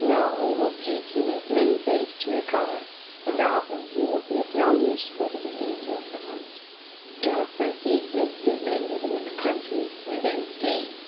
No, it will take him as many days to recover and often he will be of no use for the remainder of the hunt. Dogs like these may suit men living in the country where there is game.